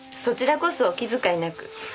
そちらこそお気遣いなく。